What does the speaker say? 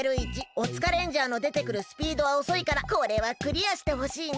オツカレンジャーのでてくるスピードはおそいからこれはクリアしてほしいな。